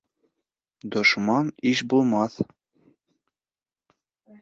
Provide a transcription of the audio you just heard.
Дошман иш булмаҫ